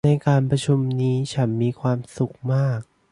ในการประชุมนี้ฉันมีความสุขมาก